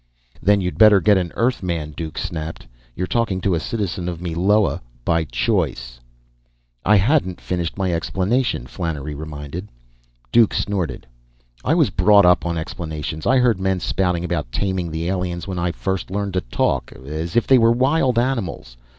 "Then you'd better get an Earthman," Duke snapped. "You're talking to a citizen of Meloa! By choice!" "I hadn't finished my explanation," Flannery reminded. Duke snorted. "I was brought up on explanations. I heard men spouting about taming the aliens when I first learned to talk as if they were wild animals.